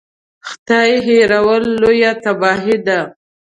خدای هېرول لویه تباهي ده.